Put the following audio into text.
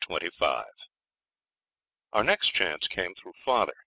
Chapter 25 Our next chance came through father.